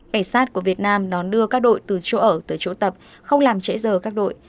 cảnh sát của việt nam đón đưa các đội từ chỗ ở tới chỗ tập không làm trễ giờ các đội